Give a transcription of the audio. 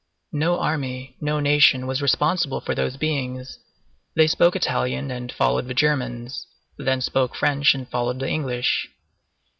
No army, no nation, was responsible for those beings; they spoke Italian and followed the Germans, then spoke French and followed the English.